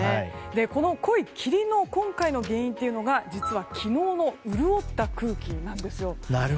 この濃い霧の原因というのが実は昨日の潤った空気なんです。